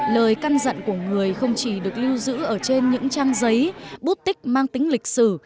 lời căn dặn của người không chỉ được lưu giữ ở trên những trang giấy bút tích mang tính lịch sử